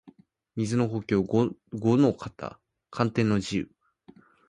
水の呼吸伍ノ型干天の慈雨（ごのかたかんてんのじう）